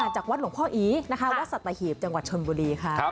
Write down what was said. จากวัดหลวงพ่ออีวัตถุมงคลิปจังหวัดชนบุรี